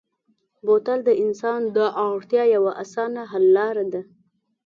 بوتل د انسان د اړتیا یوه اسانه حل لاره ده.